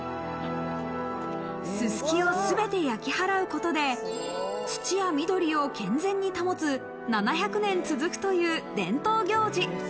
ススキをすべて焼き払うことで土や緑を健全に保つ７００年続くという伝統行事。